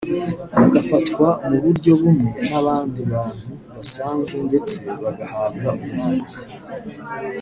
bagafatwa mu buryo bumwe n’abandi bantu basanzwe ndetse bagahabwa umwanya